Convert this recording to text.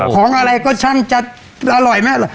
ของอะไรก็ช่างจะอร่อยไหม